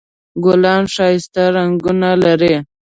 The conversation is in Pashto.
ګلان ښایسته رنګونه لري